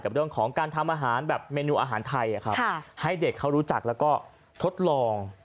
เรื่องของการทำอาหารแบบเมนูอาหารไทยให้เด็กเขารู้จักแล้วก็ทดลอง